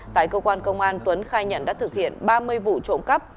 tại cơ quan công an tuấn khai nhận đã thực hiện ba mươi vụ trộm cắp